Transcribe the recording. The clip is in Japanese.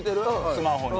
スマホに。